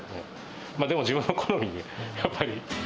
まあでも、自分の好み、やっぱり。